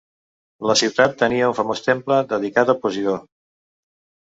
La ciutat tenia un famós temple dedicat a Posidó.